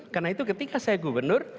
karena itu ketika saya gubernur